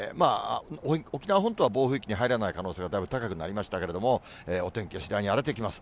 沖縄本島は暴風域に入らない可能性がだいぶ高くなりましたけれども、お天気は次第に荒れてきます。